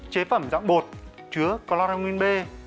chế phẩm dạng bột chứa cloramine b